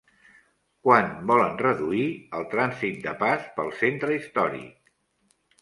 Quant volen reduir el trànsit de pas pel centre històric?